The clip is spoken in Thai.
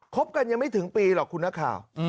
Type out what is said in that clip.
บกันยังไม่ถึงปีหรอกคุณนักข่าว